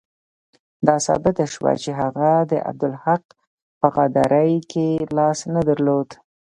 دا ثابته شوه چې هغه د عبدالحق په غداري کې لاس نه درلود.